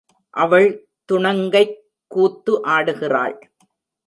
அவள் துணங்கைக் கூத்து ஆடுகிறாள்.